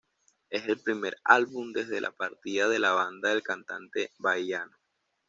Es el primer álbum desde la partida de la banda del cantante Bahiano.